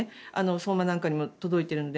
相馬なんかにも届いているので。